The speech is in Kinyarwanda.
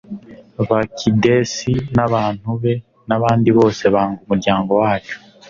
bakidesi n'abantu be n'abandi bose banga umuryango wacu